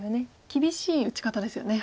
厳しい打ち方ですよね。